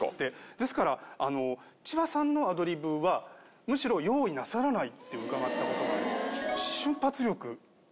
ですから千葉さんのアドリブはむしろ用意なさらないって伺った事があります。